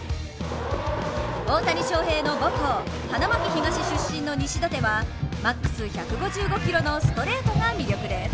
大谷翔平の母校、花巻東出身の西舘はマックス１５５キロのストレートが魅力です。